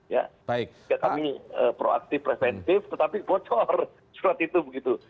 ya kami proaktif preventif tetapi bocor surat itu begitu